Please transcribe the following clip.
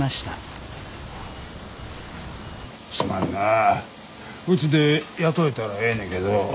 すまんなうちで雇えたらええねけど。